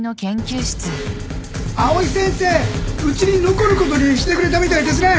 藍井先生うちに残ることにしてくれたみたいですね！